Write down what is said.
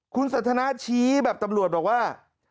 คุณสันทนาชี้แบบตำรวจบอกว่า